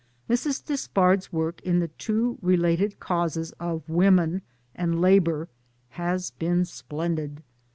Mrs. Despard's work in the two related causes of Women and Labour has been splendid.